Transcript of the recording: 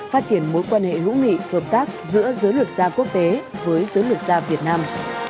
phát triển mối quan hệ hữu nghị hợp tác giữa giới luật gia quốc tế với giới luật gia việt nam